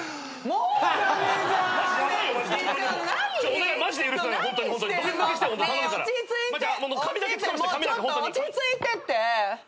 もうちょっと落ち着いてって。